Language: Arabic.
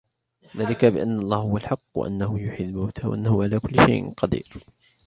ذلك بأن الله هو الحق وأنه يحيي الموتى وأنه على كل شيء قدير